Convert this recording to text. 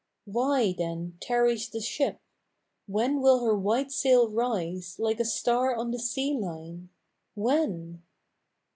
Why, then, tarries the ship ? IV hen will her 'uhite sail rise Like a star on the sea line ? When